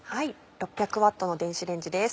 ６００Ｗの電子レンジです。